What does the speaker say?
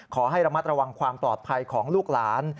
ขอให้ระมัดระวังความปลอดภัยของลูกหลาน